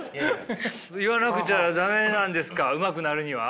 言わなくちゃ駄目なんですかうまくなるには。